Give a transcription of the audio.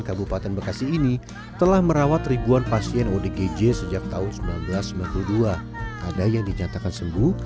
kabupaten bekasi ini telah merawat ribuan pasien odgj sejak tahun seribu sembilan ratus sembilan puluh dua ada yang dinyatakan sembuh